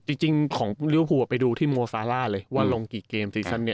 จริงของลิวภูไปดูที่โมซาล่าเลยว่าลงกี่เกมซีซันเนี่ย